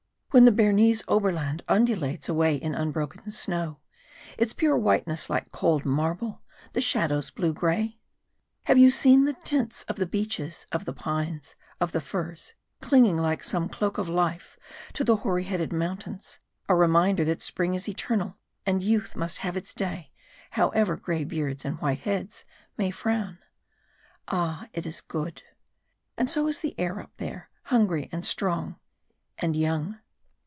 When the Bernese Oberland undulates away in unbroken snow, its pure whiteness like cold marble, the shadows grey blue? Have you seen the tints of the beeches, of the pines, of the firs, clinging like some cloak of life to the hoary headed mountains, a reminder that spring is eternal, and youth must have its day, however grey beards and white heads may frown? Ah it is good! And so is the air up there. Hungry and strong and young.